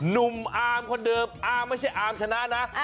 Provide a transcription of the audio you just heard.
หนุ่มอาร์มคนเดิมอาร์ไม่ใช่อาร์มชนะนะ